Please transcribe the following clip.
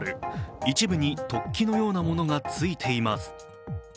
一部に突起のようなものがついています。